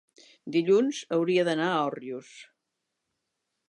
dilluns hauria d'anar a Òrrius.